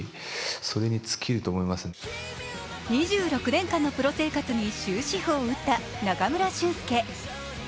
２６年間のプロ生活に終止符を打った中村俊輔選手。